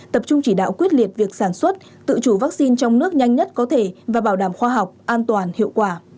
tập trung chỉ đạo quyết liệt việc sản xuất tự chủ vaccine trong nước nhanh nhất có thể và bảo đảm khoa học an toàn hiệu quả